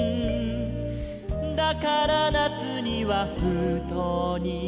「だから夏には封筒に」